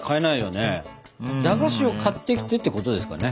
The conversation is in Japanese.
駄菓子を買ってきてってことですかね。